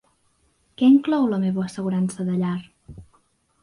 Que inclou la meva assegurança de llar?